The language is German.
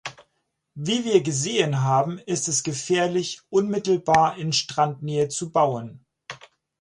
Wie wir gesehen haben, ist es gefährlich, unmittelbar in Strandnähe zu bauen.